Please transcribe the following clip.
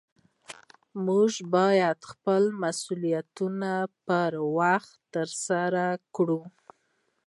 موږ باید خپل مسؤلیتونه په وخت ترسره کړو